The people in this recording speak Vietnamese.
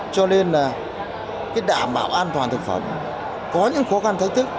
cho nên đảm bảo an toàn thực phẩm có những khó khăn thay tức